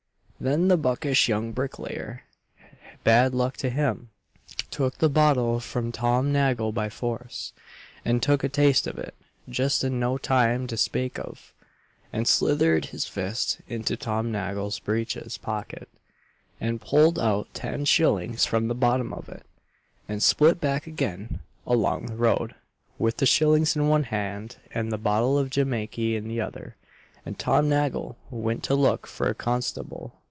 Then the buckish young bricklayer, bad luck to him! took the bottle from Tom Nagle by force, and took a taste of it, just in no time to spake of, and slithered his fist into Tom Nagle's breeches pocket, and pulled out ten shillings from the bottom of it; and split back again along the road with the shillings in one hand, and the bottle of Jimakey in the other, and Tom Nagle went to look for a constable.